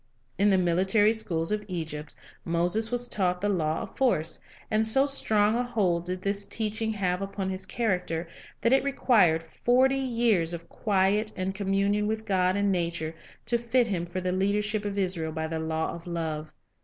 In the military schools of Egypt, Moses was taught the law of force, and so strong a hold did this teaching have upon his character that it required forty years of quiet and communion with God and nature to fit him for the leadership of Israel by the law of love.